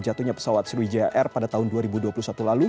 jatuhnya pesawat sriwijaya air pada tahun dua ribu dua puluh satu lalu